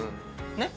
ねっ。